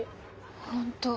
本当。